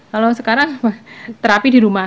kalau sekarang terapi di rumah